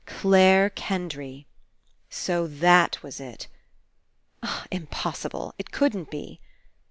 Clare Kendry! So that was It! Impos sible. It couldn't be.